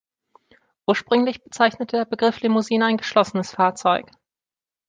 Ursprünglich bezeichnete der Begriff Limousine ein geschlossenes Fahrzeug.